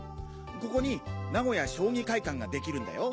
ここに名古屋将棋会館が出来るんだよ。